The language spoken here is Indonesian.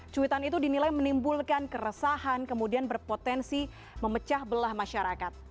cuitan itu dinilai menimbulkan keresahan kemudian berpotensi memecah belah masyarakat